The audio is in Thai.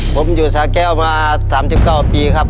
ผมอยู่สาแก้วมาสามสิบเก้าปีครับ